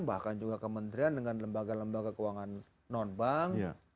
bahkan juga kementerian dengan lembaga lembaga keuangan nonbank